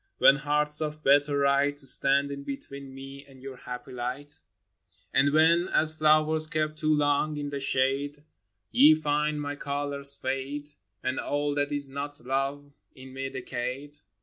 When hearts of better right Stand in between me and your happy light ? LOVED ONCE. And when, as flowers kept too long in the shade, Ye find my colors fade, And all that is not love in me decayed